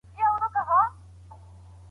دی په خپل ایمان باندې ډېر کلک ولاړ دی.